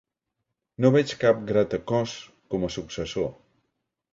No veig cap "Gratacòs" com a successor.